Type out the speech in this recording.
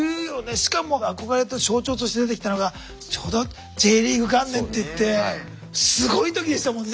しかも憧れの象徴として出てきたのがちょうどＪリーグ元年っていってすごい時でしたもんね。